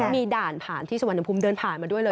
มีด่านผ่านที่สวรรภูมิเดินผ่านมาด้วยเลย